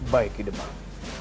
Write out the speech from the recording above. baik ki demang